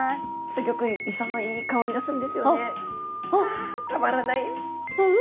ああたまらない。